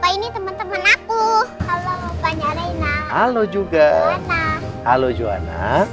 ini teman teman aku halo juga halo johana